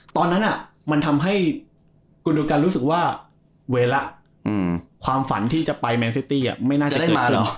ตอนนั้นมันทำให้กุดูกันรู้สึกว่าเวลาความฝันที่จะไปแมนซิตี้ไม่น่าจะเกิดขึ้น